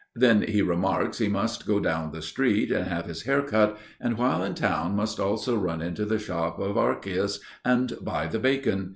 Then he remarks he must go down street and have his hair cut, and while in town must also run into the shop of Archias and buy the bacon.